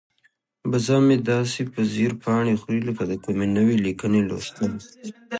وزه مې داسې په ځیر پاڼې خوري لکه د کومې نوې لیکنې لوستل.